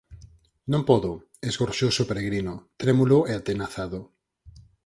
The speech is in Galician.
Non podo —esgorxouse o peregrino, trémulo e atenazado—.